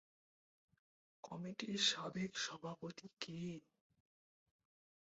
কমিটির সাবেক সভাপতি কে?